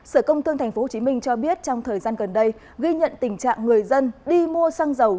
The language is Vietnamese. sở công thương tp hcm cho biết trong thời gian gần đây ghi nhận tình trạng người dân đi mua xăng dầu